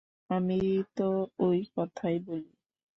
আমি তো ঐ কথাই বলি।